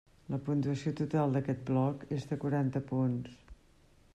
La puntuació total d'aquest bloc és de quaranta punts.